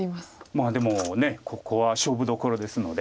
まあでもここは勝負どころですので。